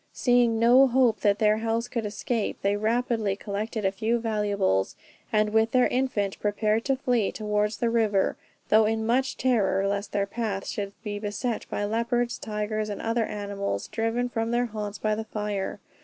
Seeing no hope that their house could escape, they rapidly collected a few valuables, and with their infant prepared to flee towards the river, though in much terror lest their path should be beset by leopards, tigers, and other animals, driven from their haunts by the fire.